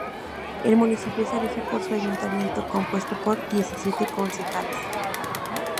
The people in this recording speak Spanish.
El municipio se rige por su ayuntamiento, compuesto por diecisiete concejales.